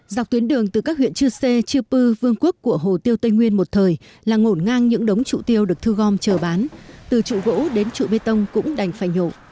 dọc tuyến đường từ các huyện chư sê chư pư vương quốc của hồ tiêu tây nguyên một thời là ngổn ngang những đống trụ tiêu được thu gom chờ bán từ trụ gỗ đến trụ bê tông cũng đành phải nhổ